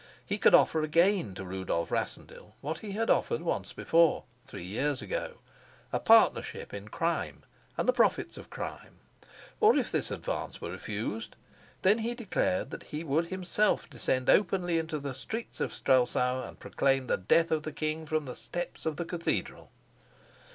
He could offer again to Rudolf Rassendyll what he had offered once before, three years ago a partnership in crime and the profits of crime or if this advance were refused, then he declared that he would himself descend openly into the streets of Strelsau and proclaim the death of the king from the steps of the cathedral.